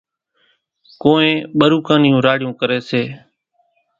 ڪونئين ٻروڪان نِيوُن راڙِيوُن ڪريَ سي۔